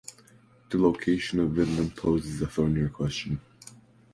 The location of Vinland poses a thornier question.